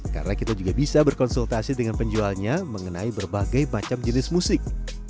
karena kita juga bisa berkonsultasi dengan penjualnya mengenai berbagai macam jenis musik